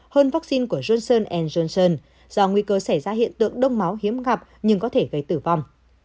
hơn vaccine của johnson johnson do nguy cơ xảy ra hiện tượng đông máu hiếm gặp nhưng có thể gây tử vong